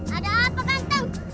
ada apa ganteng